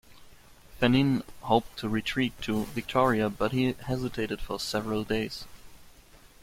Fannin hoped to retreat to Victoria, but he hesitated for several days.